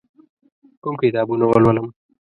کوم کتابونه ولولم؟